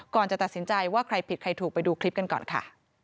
ก่อนจะตัดสินใจว่าใครผิดใครถูกไปดูคลิปกันก่อนค่ะ